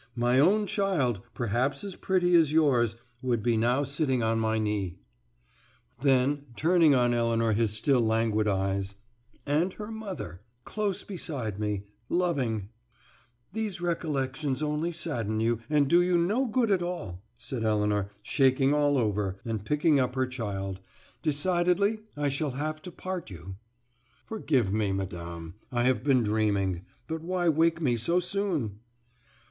My own child, perhaps as pretty as yours, would be now sitting on my knee." Then, turning on Elinor his still languid eyes: "And her mother close beside me loving " "These recollections only sadden you, and do you no good at all," said Elinor, shaking all over, and picking up her child. "Decidedly, I shall have to part you." "Forgive me, madame; I have been dreaming. But why wake me so soon?"